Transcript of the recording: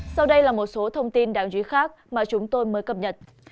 sau đây là một số thông tin đáng chú ý khác mà chúng tôi mới cập nhật